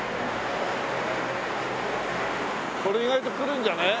これ意外とくるんじゃない？